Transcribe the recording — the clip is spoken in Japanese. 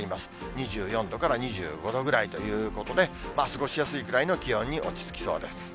２４度から２５度ぐらいということで、過ごしやすいくらいの気温に落ち着きそうです。